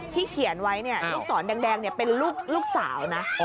ที่เขียนไว้เนี่ยลูกสอนแดงเนี่ยเป็นลูกสาวนะ